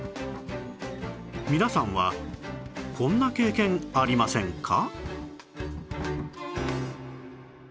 皆さんはこんな経験ありませんか？